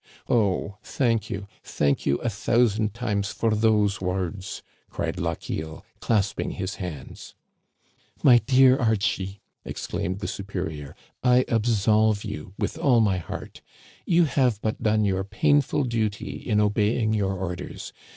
" Oh ! thank you, thank you a thousand times for those words," cried Lochiel, clasping his hands. " My dear Archie," exclaimed the superior, " I ab solve you with all my heart. You have but done your painful duty in obeying your orders.